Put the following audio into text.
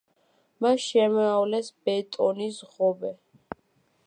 მას შემოავლეს ბეტონის ღობე.